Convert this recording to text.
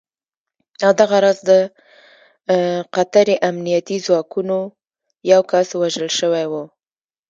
او دغه راز د قطري امنیتي ځواکونو یو کس وژل شوی و